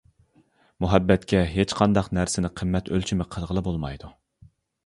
مۇھەببەتكە ھېچقانداق نەرسىنى قىممەت ئۆلچىمى قىلغىلى بولمايدۇ.